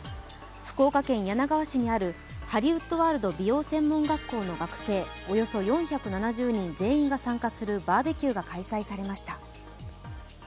福岡県柳川市にあるハリウッドワールド美容専門学校の学生およそ４７０人全員が参加するバーベキューが開催されました。